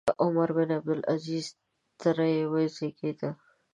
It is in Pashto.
عمر بن عبدالعزیز ترې وزېږېد.